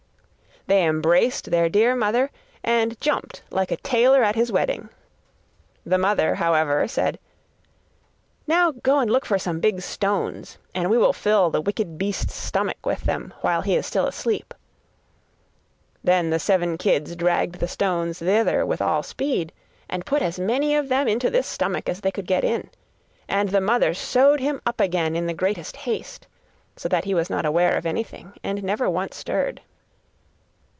They embraced their dear mother, and jumped like a tailor at his wedding. The mother, however, said: 'Now go and look for some big stones, and we will fill the wicked beast's stomach with them while he is still asleep.' Then the seven kids dragged the stones thither with all speed, and put as many of them into this stomach as they could get in; and the mother sewed him up again in the greatest haste, so that he was not aware of anything and never once stirred.